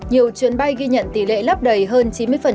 nhiều chuyến bay ghi nhận tỷ lệ lấp đầy hơn chín mươi